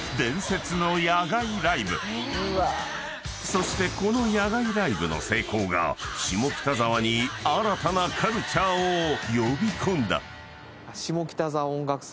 ［そしてこの野外ライブの成功が下北沢に新たなカルチャーを呼び込んだ］